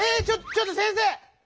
ちょちょっと先生！